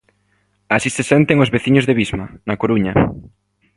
Así se senten os veciños de Visma, na Coruña.